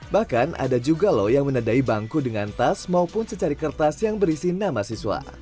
bahkan ada juga loh yang menadai bangku dengan tas maupun secari kertas yang berisi nama siswa